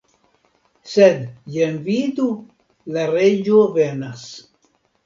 Sed, jen vidu ? la reĝo venas.